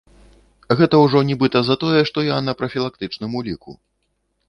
Гэта ўжо нібыта за тое, што я на прафілактычным уліку.